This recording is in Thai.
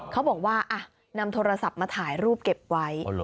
เขาบอกว่านำโทรศัพท์มาถ่ายรูปเก็บไว้